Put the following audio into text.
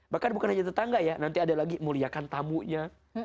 bahkan bukan hanya tetangga ya nanti ada lagi muliakan tamunya